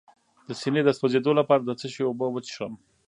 د سینې د سوځیدو لپاره د څه شي اوبه وڅښم؟